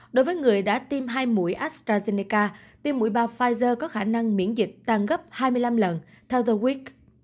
đối với người đã tiêm hai mũi astrazeneca tiêm mũi ba pfizer có khả năng miễn dịch tăng gấp hai mươi năm lần theo the week